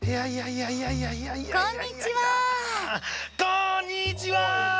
こんにちは！